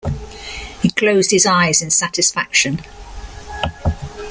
He closed his eyes in satisfaction.